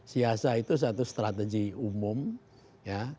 siasa itu satu strategi umum ya